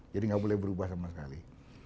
jadi nggak boleh berubah sama sekali